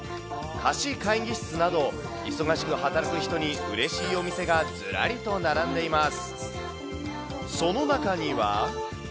貸会議室など、忙しく働く人にうれしいお店がずらりと並んでいます。